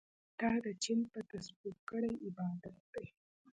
تا د چين په تسبو کړی عبادت دی